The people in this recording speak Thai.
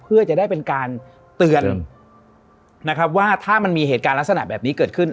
เพื่อจะได้เป็นการเตือนนะครับว่าถ้ามันมีเหตุการณ์ลักษณะแบบนี้เกิดขึ้น